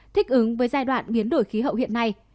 thích ứng với giai đoạn biến đổi khí hậu hiện nay